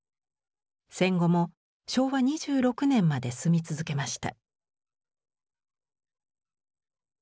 戦後も昭和２６年まで住み続けました。